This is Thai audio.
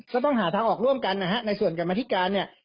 ก็ต้องหาทางออกร่วมกันในส่วนกรรมอธิการ